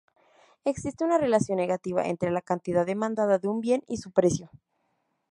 Existe una relación negativa entre la cantidad demandada de un bien y su precio.